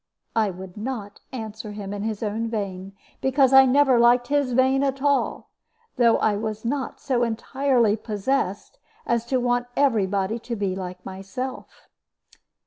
I would not answer him in his own vein, because I never liked his vein at all; though I was not so entirely possessed as to want every body to be like myself.